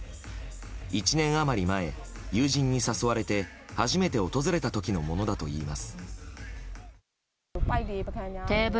１年余り前、友人に誘われて初めて訪れた時のものだといいます。